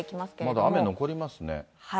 まだ雨残りますね。